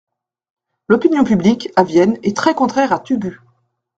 L'opinion publique, à Vienne, est très-contraire à Thugut.